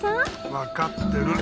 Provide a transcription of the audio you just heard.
わかってる。